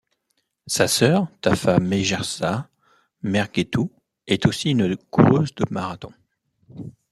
Sa sœur Tafa Megersa Mergertu est aussi une coureuse de marathon.